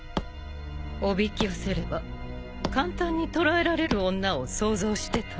おびき寄せれば簡単に捕らえられる女を想像してた？